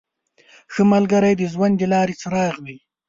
• ښه ملګری د ژوند د لارې څراغ وي.